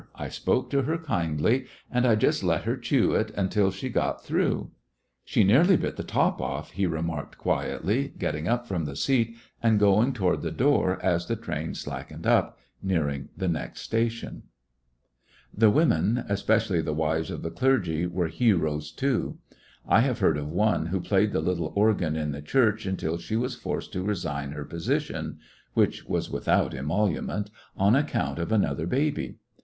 I spoke to her kindly, and I just let her chew it until she got through. She nearly bit the top off," he re marked quietly, getting up from the seat and going toward the door, as the train slackened up, nearing the next station. Double duty The women, especially the wives of the clergy, were heroes, too. I have heard of one who played the little organ in the church until she was forced to resign her position (which was without emolument) on account of an other baby.